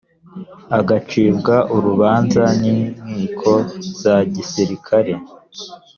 agacibwa urubanza n inkiko za gisirikari